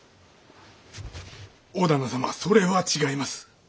大旦那様それは違います。